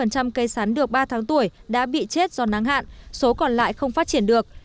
ba mươi cây sắn được ba tháng tuổi đã bị chết do nắng hạn số còn lại không phát triển được